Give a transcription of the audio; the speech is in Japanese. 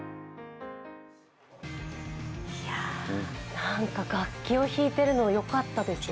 なんか楽器を弾いてるのよかったですね。